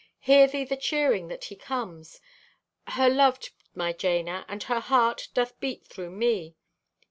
Hear thee the cheering that he comes! Her loved, my Jana, and her heart doth beat through me!